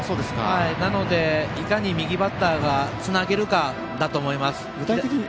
なので、いかに右バッターがつなげるかだと思います。